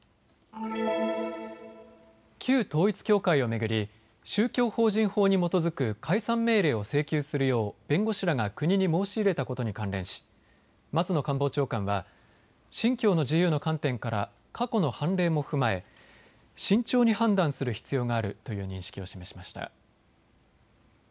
旧統一教会を巡り宗教法人法に基づく解散命令を請求するよう弁護士らが国に申し入れたことに関連し松野官房長官は信教の自由の観点から過去の判例も踏まえ慎重に判断する必要があるという認識を示しました。